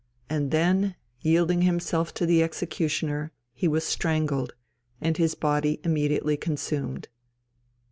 and then, yielding himself to the executioner, he was strangled, and his body immediately consumed."